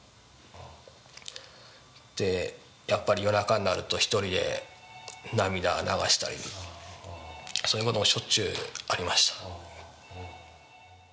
やっぱり夜中になると１人で涙を流したり、そういうことも、しょっちゅうありました。